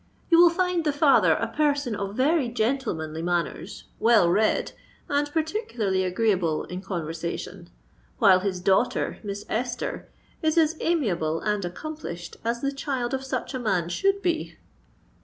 "You will find the father a person of very gentlemanly manners, well read, and particularly agreeable in conversation; while his daughter, Miss Esther, is as amiable and accomplished as the child of such a man should be."